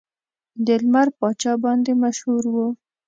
د لمر پاچا باندې مشهور و.